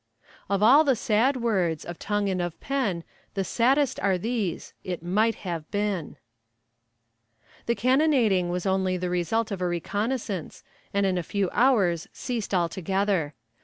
Of all the sad words, of tongue or of pen, The saddest are these "it might have been." The cannonading was only the result of a reconnoissance, and in a few hours ceased altogether.